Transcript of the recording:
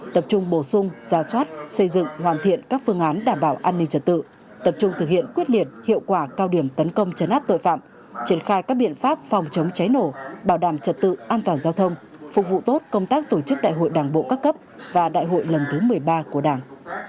tập trung bổ sung giả soát xây dựng hoàn thiện các phương án đảm bảo an ninh trật tự tập trung thực hiện quyết liệt hiệu quả cao điểm tấn công chấn áp tội phạm triển khai các biện pháp phòng chống cháy nổ bảo đảm trật tự an toàn giao thông phục vụ tốt công tác tổ chức đại hội đảng bộ các cấp và đại hội lần thứ một mươi ba của đảng